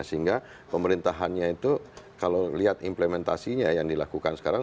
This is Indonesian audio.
sehingga pemerintahannya itu kalau lihat implementasinya yang dilakukan sekarang